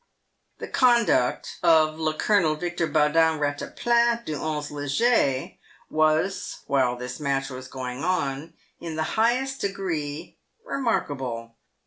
The conduct of le Colonel Victor Baudin Eattaplan du 11° Leger was, whilst this match was going on, in the highest degree remarkable.